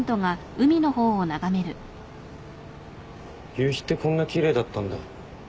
夕日ってこんな奇麗だったんだ。